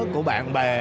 của những người bạn thân